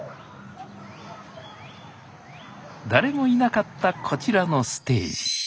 誰もいなかったこちらのステージ。